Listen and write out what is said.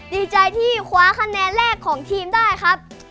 ดีใจที่คว้าคะแนนแรกของทีมได้ครับ